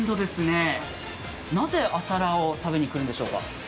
なぜ朝ラーを食べに来るんでしょうか。